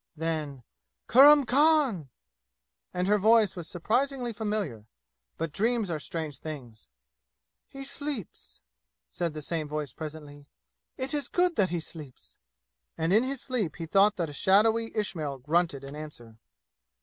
Then, "Kurram Khan!" And her voice was surprisingly familiar. But dreams are strange things. "He sleeps!" said the same voice presently. "It is good that he sleeps!" And in his sleep he thought that a shadowy Ismail grunted an answer.